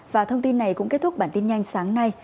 và thông tin này cũng kết thúc bản tin nhanh sáng nay